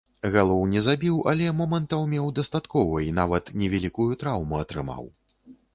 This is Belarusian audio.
Галоў не забіў, але момантаў меў дастаткова і нават невялікую траўму атрымаў.